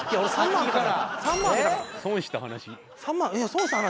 損した話。